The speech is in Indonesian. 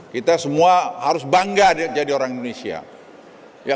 kita semua harus bangga jadi orang indonesia